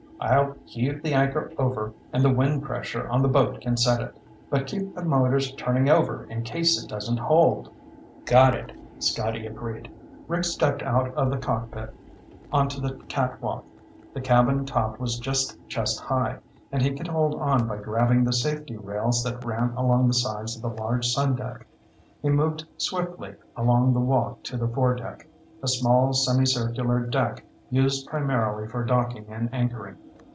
I'll heave the anchor over and the wind pressure on the boat can set it. But keep the motors turning over in case it doesn't hold." "Got it," Scotty agreed. Rick stepped out of the cockpit onto the catwalk. The cabin top was just chest high, and he could hold on by grabbing the safety rails that ran along the sides of the large sun deck. He moved swiftly along the walk to the foredeck, a small semicircular deck used primarily for docking and anchoring.